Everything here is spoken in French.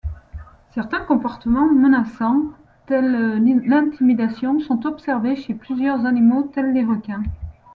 Certains comportements menaçants, telle l'intimidation, sont observés chez plusieurs animaux tels les requins.